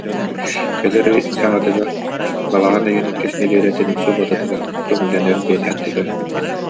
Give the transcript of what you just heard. Кэлэр ый саҥатыгар, балаҕан ыйын иккис нэдиэлэтин субуотатыгар көҥүллэнэр диэн эттилэр